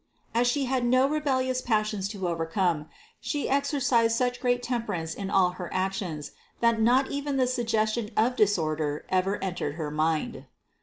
As She had no rebellious passions to overcome, She exercised such great temper ance in all her actions, that not even the suggestion of disorder ever entered her mind.